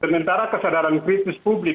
sementara kesadaran kritis publik